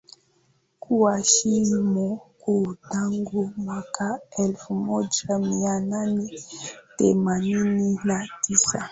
kuwa shimo kuu tangu mwaka elfumoja mianane themanini na sita